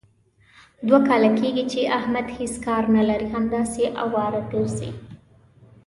دوه کاله کېږي، چې احمد هېڅ کار نه لري. همداسې اواره ګرځي.